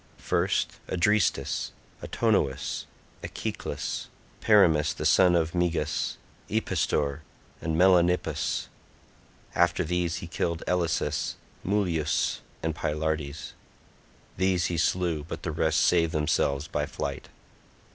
First Adrestus, Autonous, Echeclus, Perimus the son of Megas, Epistor and Melanippus; after these he killed Elasus, Mulius, and Pylartes. These he slew, but the rest saved themselves by flight.